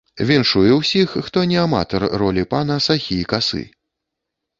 Віншую ўсіх, хто не аматар ролі пана сахі і касы!